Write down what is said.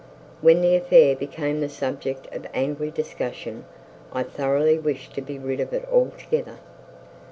When the affair became the subject of angry discussion, I thoroughly wished to be rid of it altogether.'